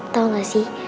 tau gak sih